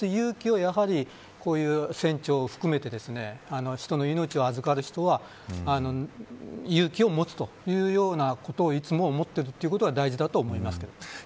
引き返す勇気を、やはり船長を含めて人の命を預かる人は勇気を持つというようなことをいつも思っていることが大事だと思います。